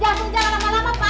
jangan lama lama pak